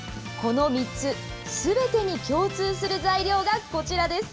この３つ、すべてに共通する材料がこちらです。